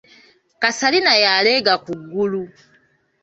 Kasalina yalega ku ggulu.